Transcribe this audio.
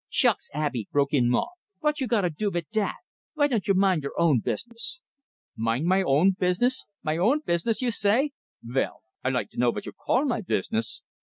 "Shucks, Abey," broke in Maw, "vot you gotta do vit dat? Vy don't you mind your own business?" "Mind my own business? My own business, you say? Vell, I like to know vot you call my business!